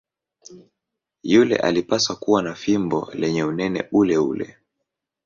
Yule alipaswa kuwa na fimbo lenye unene uleule.